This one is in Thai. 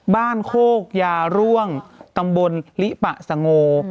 บ้านโคกยางร่วงบ้านโคกยางร่วงตำบลลิปะสงโล